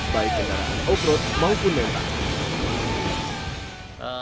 baik di lereng offroad maupun mental